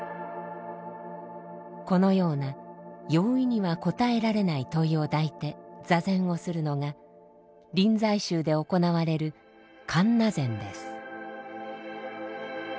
このような容易には答えられない問いを抱いて坐禅をするのが臨済宗で行われる「看話禅」です。